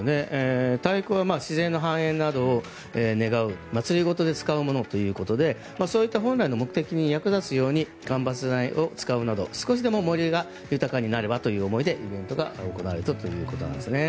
太鼓や自然の繁栄などを願う祭り事ということでそういった本来の目的に役立つように間伐材を使うなど少しでも森が豊かになればという思いでイベントが行われたということですね。